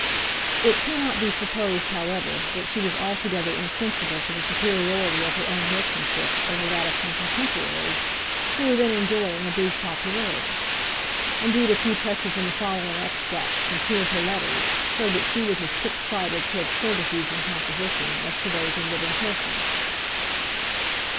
It cannot be supposed, however, that she was altogether insensible to the superiority of her own workmanship over that of some contemporaries who were then enjoying a brief popularity. Indeed a few touches in the following extracts from two of her letters show that she was as quicksighted to absurdities in composition as to those in living persons.